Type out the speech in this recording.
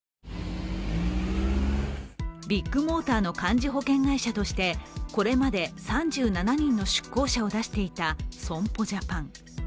ビッグモーターの幹事保険会社としてこれまで３７人の出向者を出していた損保ジャパン。